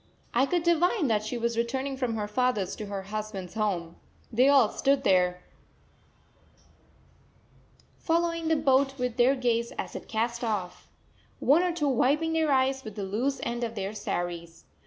I could divine that she was returning from her father's to her husband's home. They all stood there, following the boat with their gaze as it cast off, one or two wiping their eyes with the loose end of their saris.